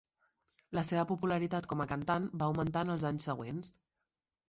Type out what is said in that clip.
La seva popularitat com a cantant va augmentar en els anys següents.